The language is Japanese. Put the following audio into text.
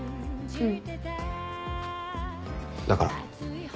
うん。